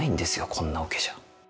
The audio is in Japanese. こんなオケじゃ。